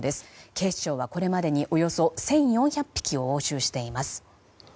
警視庁はこれまでにおよそ１４００匹を押収しています。